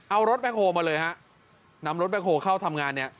เอารถแบ็คโฮลมาเลยฮะนำรถแคคโฮเข้าทำงานเนี่ย